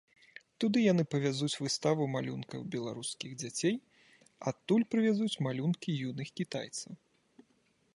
Туды яны павязуць выставу малюнкаў беларускіх дзяцей, адтуль прывязуць малюнкі юных кітайцаў.